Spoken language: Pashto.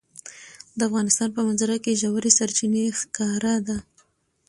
د افغانستان په منظره کې ژورې سرچینې ښکاره ده.